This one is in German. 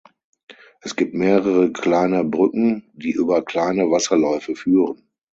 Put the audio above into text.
Es gibt mehrere kleine Brücken, die über kleine Wasserläufe führen.